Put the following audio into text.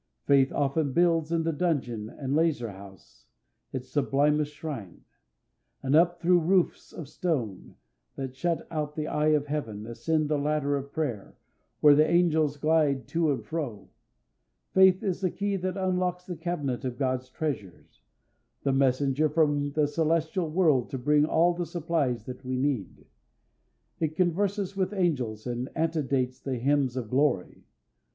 Faith often builds in the dungeon and lazar house its sublimest shrine, and up through roofs of stone, that shut out the eye of heaven, ascends the ladder of prayer, where the angels glide to and fro. Faith is the key that unlocks the cabinet of God's treasures, the messenger from the celestial world to bring all the supplies that we need. It converses with angels and antedates the hymns of glory.